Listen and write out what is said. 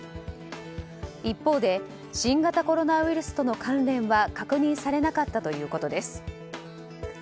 一方で新型コロナウイルスとの関連は確認されなかったということです。